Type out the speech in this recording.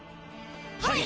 はい！